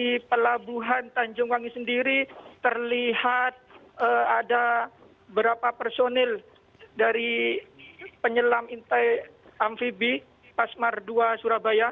di pelabuhan tanjung wangi sendiri terlihat ada berapa personil dari penyelam intai amfibi pasmar ii surabaya